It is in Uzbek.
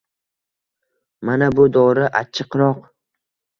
Mana bu dori achchiqroq